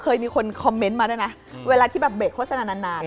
กูแก้งอะไรมึง